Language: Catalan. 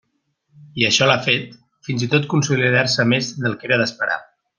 I això l'ha fet, fins i tot consolidar-se més del que era d'esperar.